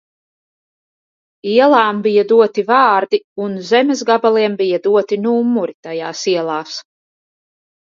Ielām bija doti vārdi un zemes gabaliem bija doti numuri tajās ielās.